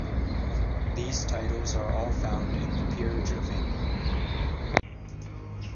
These titles are all found in the Peerage of England.